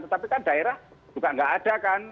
tetapi kan daerah juga nggak ada kan